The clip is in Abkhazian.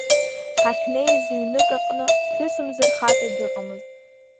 Ҳахьнеиз ҩнык аҟны, ԥҳәысымзар хаҵа дыҟамызт.